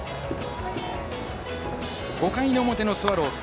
５回の表のスワローズ。